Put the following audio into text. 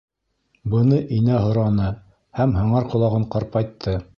— Быны Инә һораны һәм һыңар ҡолағын ҡарпайтты.